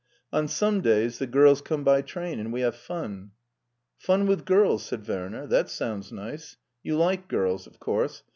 On some days the girls come by train and we have fun." " Fun with girls," said Werner ;" that sounds nice. You like girls, of course.